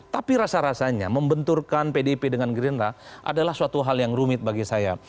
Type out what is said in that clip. tapi rasa rasanya membenturkan pdip dengan gerindra adalah suatu hal yang rumit bagi saya